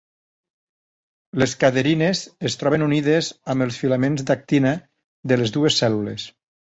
Les cadherines es troben unides amb els filaments d'actina de les dues cèl·lules.